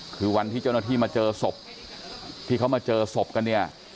คือวันที่เจ้าหน้าที่มาเจอศพที่เขามาเจอศพกันเนี่ย